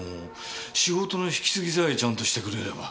仕事の引き継ぎさえちゃんとしてくれれば。